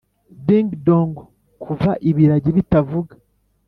ding dong kuva ibiragi bitavuga.